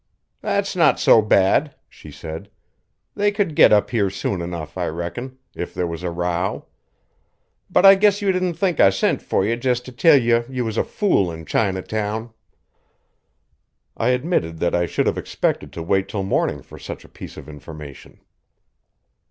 "That's not so bad," she said. "They could git up here soon enough, I reckon, if there was a row. But I guess you didn't think I sent for ye jest to tell ye you was a fool in Chinatown." I admitted that I should have expected to wait till morning for such a piece of information.